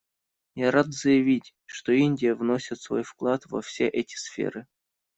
Я рад заявить, что Индия вносит свой вклад во все эти сферы.